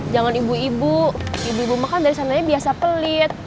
jangan ibu ibu ibu mah kan dari sananya biasa pelit